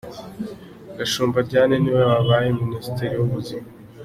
Gashumba Diane niwe wabaye Minisitiri y’ubuzima.